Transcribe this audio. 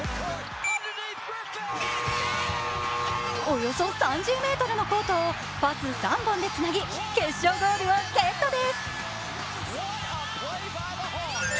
およそ３０ｍのコートをパス３本でつなぎ、決勝ゴールをゲットです。